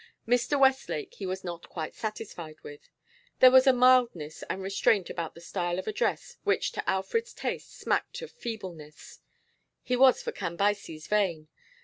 Mr. Westlake he was not quite satisfied with; there was a mildness and restraint about the style of the address which to Alfred's taste smacked of feebleness; he was for Cambyses' vein.